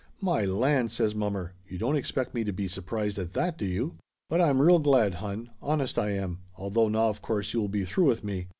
"My land!" says mommer. "You don't expect me to be surprised at that, do you? But I'm real glad, hon, honest I am, although now of course you will be through with me.